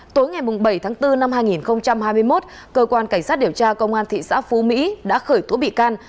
tối ngày bảy tháng bốn năm hai nghìn hai mươi một cơ quan cảnh sát điều tra công an thị xã phú mỹ đã khởi tố bị can